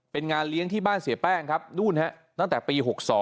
เป็นงานเลี้ยงที่บ้านเสียแป้งครับนู่นฮะตั้งแต่ปี๖๒